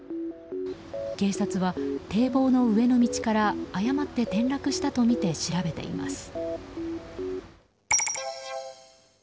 警察は、堤防の上の道から誤って転落したとみて調べています。